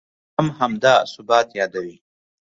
درویش هم همدا ثبات یادوي.